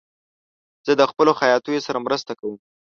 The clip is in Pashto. زه د خپلو خیاطیو سره مرسته کوم.